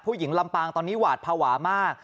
ผู้หญิงลำปางตอนนี้หวาดภาวะมาก